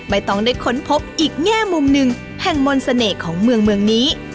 ต้องได้ค้นพบอีกแง่มุมหนึ่งแห่งมนต์เสน่ห์ของเมืองนี้